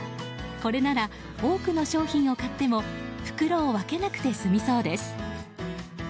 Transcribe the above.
これなら、多くの商品を買っても袋を分けなくて済みそうです。